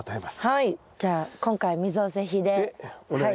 はい。